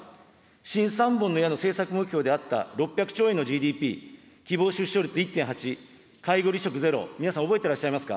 新・三本の矢の政策目標であった６００兆円のＧＤＰ、希望出生率１．８、介護離職ゼロ、皆さん、覚えてらっしゃいますか。